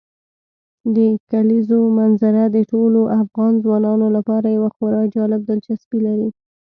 د کلیزو منظره د ټولو افغان ځوانانو لپاره یوه خورا جالب دلچسپي لري.